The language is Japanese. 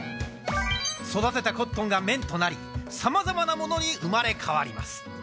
育てたコットンが綿となり、さまざまなものに生まれ変わります。